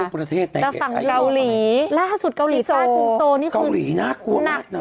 ทุกประเทศแต่ฝั่งเกาหลีล่าสุดเกาหลีซาตุงโซนี่คือเกาหลีน่ากลัวมาก